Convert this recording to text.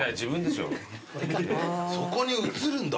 そこに映るんだ。